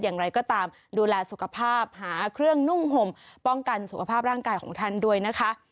อย่างไรก็ตามดูแลสุขภาพหาเครื่องนุ่งห่มป้องกันสุขภาพร่างกายของท่านด้วยนะคะ